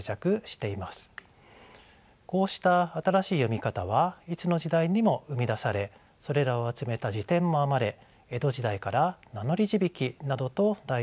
こうした新しい読み方はいつの時代にも生み出されそれらを集めた辞典も編まれ江戸時代から「名乗字引」などと題して出版されています。